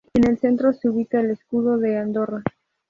En el centro se ubica el escudo de Andorra.